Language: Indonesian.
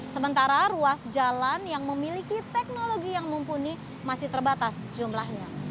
sementara ruas jalan yang memiliki teknologi yang mumpuni masih terbatas jumlahnya